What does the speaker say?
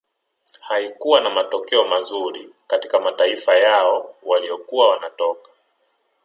Haikuwa na matokeo mazuri katika mataifa yao waliyokuwa wanatoka